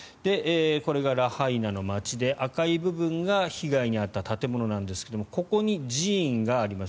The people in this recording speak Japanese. これがラハイナの街で赤い部分が被害に遭った建物なんですがここに寺院があります。